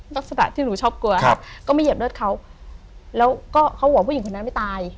ลักษณะที่หนูชอบกลัวครับก็มาเหยียบเลือดเขาแล้วก็เขาบอกว่าผู้หญิงคนนั้นไม่ตาย